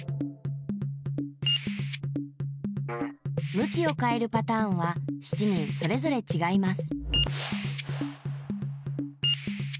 むきをかえるパターンは７人それぞれちがいます。